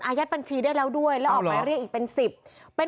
ยัดบัญชีได้แล้วด้วยแล้วออกหมายเรียกอีกเป็น๑๐เป็น